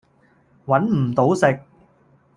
搵唔到食